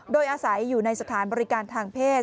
โดยอาศัยอยู่ในสถานบริการทางเพศ